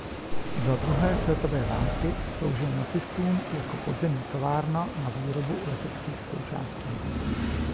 Za druhé světové války sloužil nacistům jako podzemní továrna na výrobu leteckých součástí.